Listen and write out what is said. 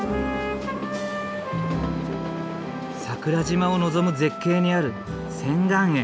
桜島を望む絶景にある仙巌園。